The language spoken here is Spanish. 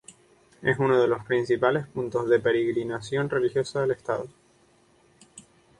Es uno de los principales puntos de peregrinación religiosa del estado.